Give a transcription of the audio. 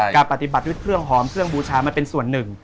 การปฏิบัติด้วยเครื่องหอมเครื่องบูชามันเป็นส่วนหนึ่ง